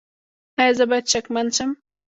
ایا زه باید شکمن شم؟